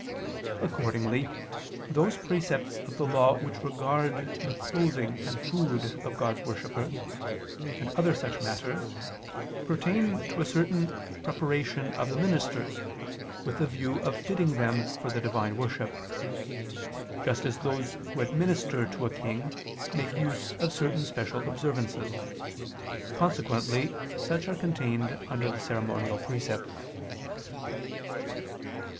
Accordingly those precepts of the Law which regard the clothing and food of God's worshippers, and other such matters, pertain to a certain preparation of the ministers, with the view of fitting them for the Divine worship: just as those who administer to a king make use of certain special observances. Consequently such are contained under the ceremonial precepts.